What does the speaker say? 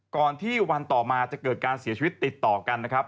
ก่อนที่วันต่อมาจะเกิดการเสียชีวิตติดต่อกันนะครับ